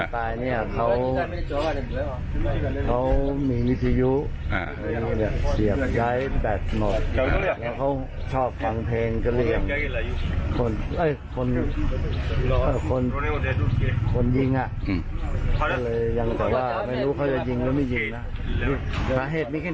แต่ว่าไม่มีอะไรคนตายเนี่ยเขาเขามีมิถียุอ่า